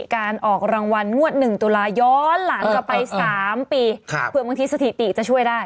การออกรางวัลงวด๑ตุลาย้อนหลังกลับไป๓ปีเผื่อบางทีสถิติจะช่วยได้